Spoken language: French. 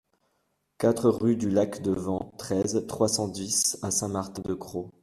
quatre rue du Lac de Vens, treize, trois cent dix à Saint-Martin-de-Crau